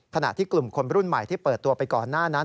ขณะที่กลุ่มคนรุ่นใหม่ที่เปิดตัวไปก่อนหน้านั้น